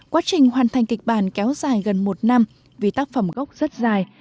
quá trình hoàn thành kịch bản kéo dài gần một năm vì tác phẩm gốc rất dài